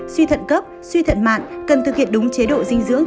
suy thận cấp suy thận mạn cần thực hiện đúng chế độ dinh dưỡng